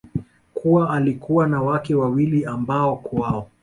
kuwa alikuwa na wake wawili ambao kwao